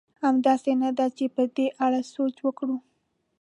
همداسې نه ده؟ چې په دې اړه سوچ وکړو.